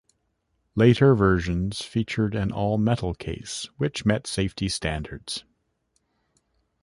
Later versions featured an all-metal case which met safety standards.